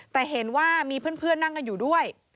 แต่เห็นว่ามีเพื่อนนั่งกันอยู่ด้วย